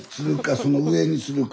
その上にするか。